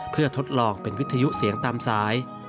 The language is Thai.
เพื่อทดลองเป็นวิทยุเสียงตามสาย